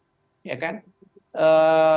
sepanjang sampai dengan batas mulai perdapatan